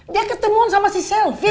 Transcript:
dia ketemuan sama si selvi